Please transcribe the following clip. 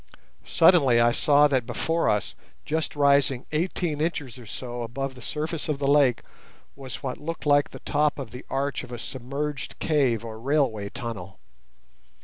Suddenly I saw that before us, just rising eighteen inches or so above the surface of the lake, was what looked like the top of the arch of a submerged cave or railway tunnel.